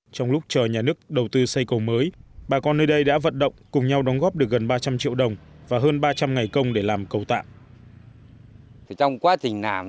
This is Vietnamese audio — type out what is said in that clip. trong lúc chờ nhà nước đầu tư xây cầu mới bà con nơi đây đã vận động cùng nhau đóng góp được gần ba trăm linh triệu đồng và hơn ba trăm linh ngày công để làm cầu tạm